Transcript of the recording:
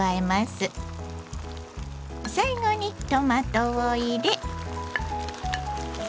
最後にトマトを入れ。